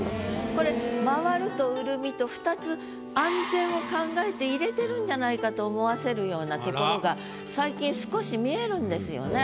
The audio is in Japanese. これ「廻る」と「潤み」と２つ安全を考えて入れてるんじゃないかと思わせるようなところが最近少し見えるんですよね。